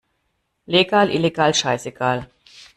Legal, illegal, scheißegal!